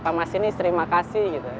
pak masinis terima kasih